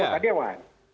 ada pak dewan